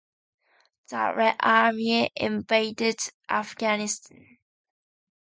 The Red Army invaded Afghanistan.